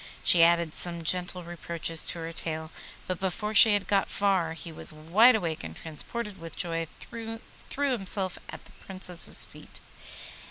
She added some gentle reproaches to her tale, but before she had got far he was wide awake, and transported with joy threw himself at the Princess's feet.